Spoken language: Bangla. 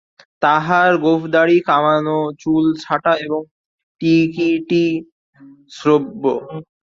তাঁহার গোঁফদাড়ি কামানো, চুল ছাঁটা এবং টিকিটি হ্রস্ব।